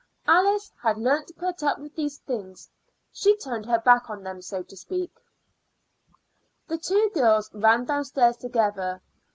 Alice had learnt to put up with these things; she turned her back on them, so to speak. The two girls ran downstairs together.